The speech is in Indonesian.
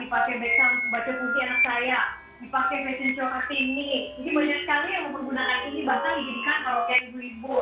ini bahkan dikirikan kalau kayak juli bul